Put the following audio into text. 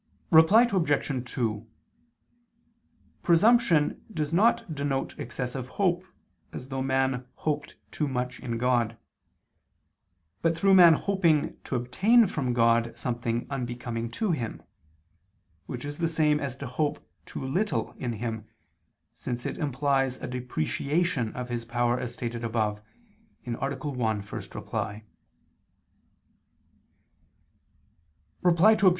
Reply Obj. 2: Presumption does not denote excessive hope, as though man hoped too much in God; but through man hoping to obtain from God something unbecoming to Him; which is the same as to hope too little in Him, since it implies a depreciation of His power; as stated above (A. 1, ad 1). Reply Obj.